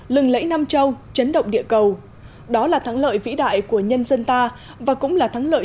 lẫy nam châu chấn động địa cầu đó là thắng lợi vĩ đại của nhân dân ta và cũng là thắng lợi